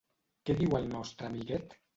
Què diu el nostre amiguet?